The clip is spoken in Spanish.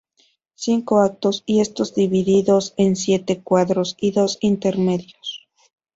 Cinco actos y estos divididos en siete cuadros y dos intermedios.